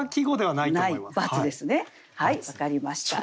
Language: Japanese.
はい分かりました×。